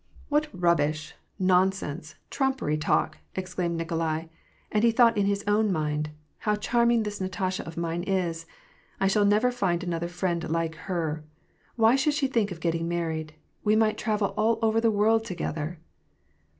279 " What rubbish, nonsenSe, trumpery talk !" exclaimed Nik olai ; and he thought in his own mind, " How charming this Natasha of mine is ! I shall never find another friend like her ! Why should she think of getting married ? We might travel all over the world together